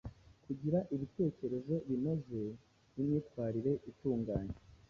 Kugira ibitekerezo binoze n’imyitwarire itunganye